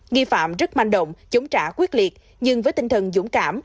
nghi phạm rất manh động chống trả quyết liệt nhưng với tinh thần dũng cảm